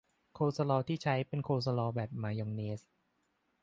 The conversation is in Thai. โคลสลอว์ที่ใช้เป็นโคลสลอว์แบบมายองเนส